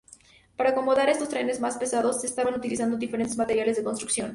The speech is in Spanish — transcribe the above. Para acomodar estos trenes más pesados, se estaban utilizando diferentes materiales de construcción.